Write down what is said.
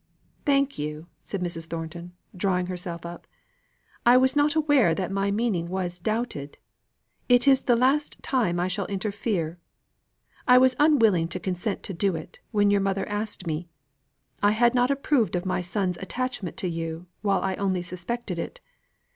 "Thank you," said Mrs. Thornton, drawing herself up; "I was not aware that my meaning was doubted. It is the last time I shall interfere. I was unwilling to consent to do it, when your mother asked me. I had not approved of my son's attachment to you, while I only suspected it.